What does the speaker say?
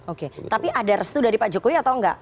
oke tapi ada restu dari pak jokowi atau enggak